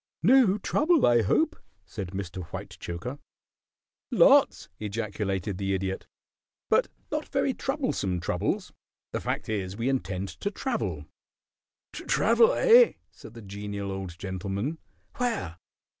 "No trouble, I hope," said Mr. Whitechoker. "Lots!" ejaculated the Idiot. "But not very troublesome troubles. The fact is we intend to travel." "To travel, eh?" said the Genial Old Gentleman. "Where?"